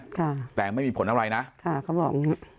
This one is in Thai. ค่ะแต่ไม่มีผลอะไรนะค่ะเขาบอก